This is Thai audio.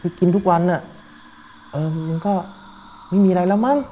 คือกินทุกวันอ่ะเออมันก็ไม่มีอะไรแล้วมั้ง